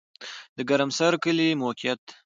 د ګرمسر کلی موقعیت